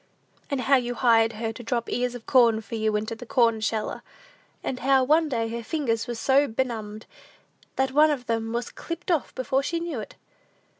"And how you hired her to drop ears of corn for you into the corn sheller; and how, one day, her fingers were so benumbed, that one of them was clipped off before she knew it!"